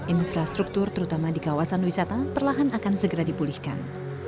infrastruktur terutama di kawasan wisata perlahan akan segera dipulihkan